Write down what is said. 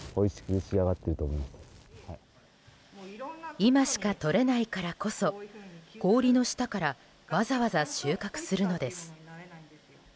今しかとれないからこそ氷の下からわざわざ収穫するのです。